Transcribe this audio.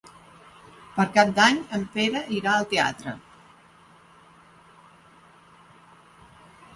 Per Cap d'Any en Pere irà al teatre.